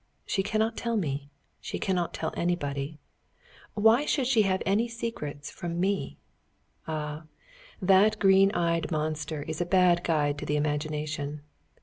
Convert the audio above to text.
She cannot tell me. She cannot tell anybody. Why should she have any secrets from me? Ah! that green eyed monster is a bad guide to the imagination.